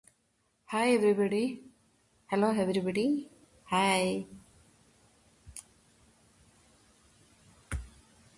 Castelli wrote no less than one hundred and fifty pamphlets.